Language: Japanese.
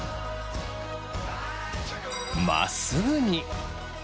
まっすぐに！